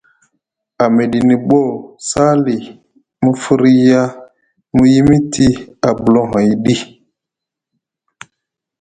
A miɗini boo Sali mu firya mu yimiti abulohoy ɗi.